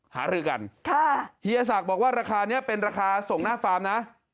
หารือกันค่ะเฮียศักดิ์บอกว่าราคานี้เป็นราคาส่งหน้าฟาร์มนะ